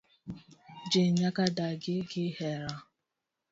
Ji nyaka dagi gi hera.